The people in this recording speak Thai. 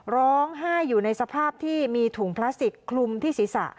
ร้องไห้อยู่ในสภาพที่มีถุงพลาสติกคลุมที่ศีรษะ